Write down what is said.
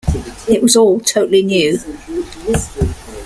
It was all totally new.